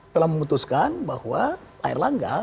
telah memutuskan bahwa air langga